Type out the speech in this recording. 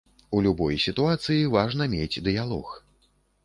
У любой сітуацыі важна мець дыялог.